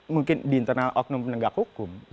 mungkin di internal oknum penegak hukum